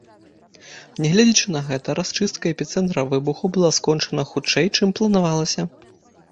Нягледзячы на гэта, расчыстка эпіцэнтра выбуху была скончана хутчэй, чым планавалася.